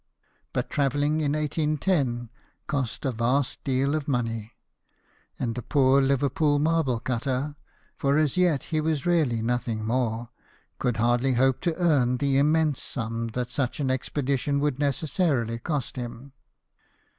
But travelling in 1810 cost avast deal of money ; and the poor Liverpool marble cutter (for as yet he was really nothing more) could hardly hope to earn the immense sum that such an expedition would necessarily cost him.